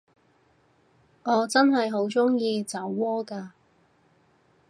我真係好鍾意酒窩㗎